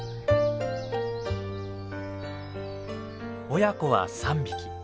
親子は３匹。